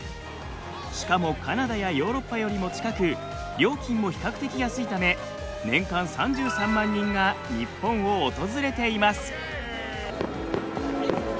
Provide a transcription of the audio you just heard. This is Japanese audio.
しかもカナダやヨーロッパよりも近く料金も比較的安いため年間３３万人が日本を訪れています。